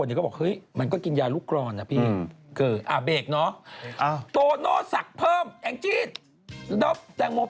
ไม่รบเขาบอกเขาไม่รบแต่สักเพิ่ม